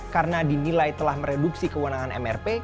karena dinilai telah mereduksi kewenangan mrp